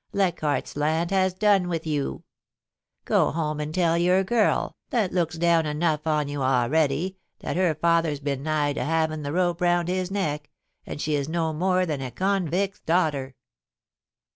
Leichardt's Land has done with yew. Go home and tell your girl, that looks down enough on you a'ready, that her father's been nigh to having the rope round his neck, and that she is no more than a convict's daughter.'